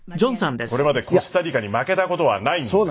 これまでコスタリカに負けた事はないんです。